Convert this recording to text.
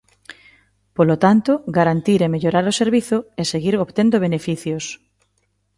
Polo tanto, garantir e mellorar o servizo, e seguir obtendo beneficios.